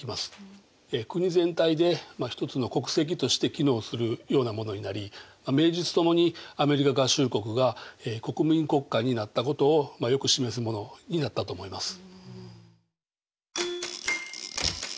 国全体で一つの国籍として機能するようなものになり名実ともにアメリカ合衆国が国民国家になったことをよく示すものになったと思います。